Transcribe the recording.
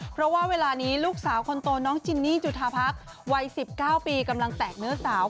เพราะว่าเวลานี้ลูกสาวคนโตน้องจินนี่จุธาพักวัย๑๙ปีกำลังแตกเนื้อสาว